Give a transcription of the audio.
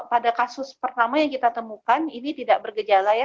pada kasus pertama yang kita temukan ini tidak bergejala ya